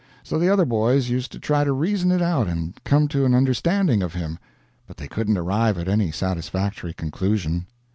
So the other boys used to try to reason it out and come to an understanding of him, but they couldn't arrive at any satisfactory conclusion.